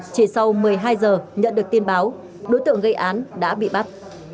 chỉ sau một mươi hai giờ nhận được tin báo đối tượng gây án đã bị bắt